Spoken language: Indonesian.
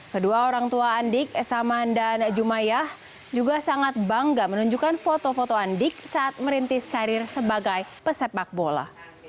kedua orang tua andik esaman dan jumayah juga sangat bangga menunjukkan foto foto andik saat merintis karir sebagai pesepak bola